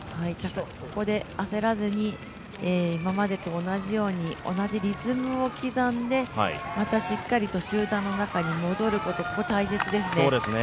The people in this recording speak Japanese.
ここで焦らずに今までと同じように、同じリズムを刻んでまたしっかりと集団の中に戻ることが大切ですね。